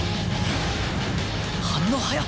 反応速っ！